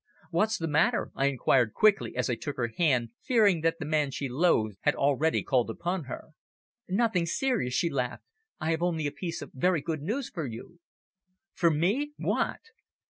"What's the matter?" I inquired quickly as I took her hand, fearing that the man she loathed had already called upon her. "Nothing serious," she laughed. "I have only a piece of very good news for you." "For me what?"